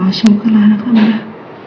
tolong sembuhkanlah anak anak